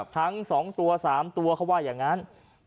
ทั้ง๒ตัว๓ตัวเขาว่าอย่างนั้น